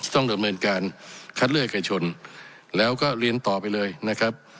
ต้องดำเนินการคัดเลือกเอกชนแล้วก็เรียนต่อไปเลยนะครับ